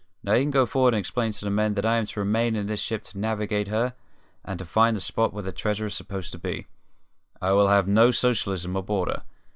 Now you can go for'ard and explain to the men that if I am to remain in this ship to navigate her and to find the spot where the treasure is supposed to be, I will have no socialism aboard her.